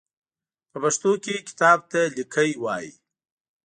په پښتو کې کتاب ته ليکی وايي.